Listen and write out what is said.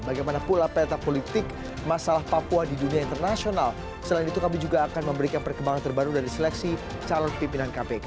bagaimana pula peta politik masalah papua di dunia internasional selain itu kami juga akan memberikan perkembangan terbaru dari seleksi calon pimpinan kpk